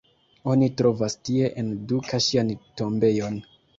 Oni trovas tie, en Duka ŝian tombejon.